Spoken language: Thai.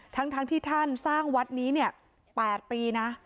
ทั้งที่ท่านสร้างวัดนี้๘ปีนะ